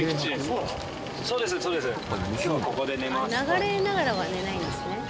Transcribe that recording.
流れながらは寝ないんですね。